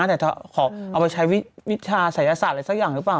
แต่จะขอเอามาใช้วิชาศัยศาสตร์อะไรสักอย่างหรือเปล่า